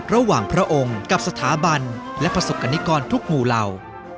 ระหว่างพระองค์กับสถาบันและประสบกรณิกรทุกหมู่เหล่า